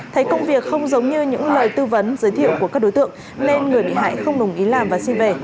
thấy công việc không giống như những lời tư vấn giới thiệu của các đối tượng nên người bị hại không đồng ý làm và xin về